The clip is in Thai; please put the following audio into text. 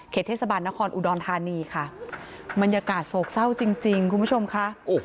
เทศบาลนครอุดรธานีค่ะบรรยากาศโศกเศร้าจริงจริงคุณผู้ชมค่ะ